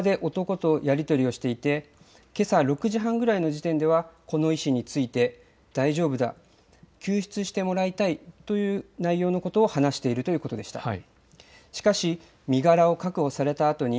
警察は電話で男とやり取りをしていてけさ６時半くらいの時点ではこの医師について、大丈夫だ、救出してもらいたいという内容のことを話しているということでした。